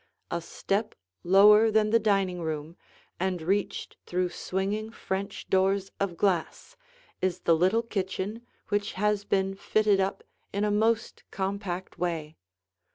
A step lower than the dining room and reached through swinging French doors of glass, is the little kitchen which has been fitted up in a most compact way.